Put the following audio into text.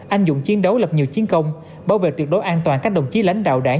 anh dụng chiến đấu lập nhiều chiến công bảo vệ tuyệt đối an toàn các đồng chí lãnh đạo đảng